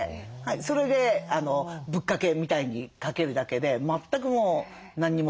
それでぶっかけみたいにかけるだけで全くもう何も手間要らずという。